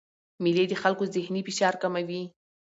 مېلې د خلکو ذهني فشار کموي.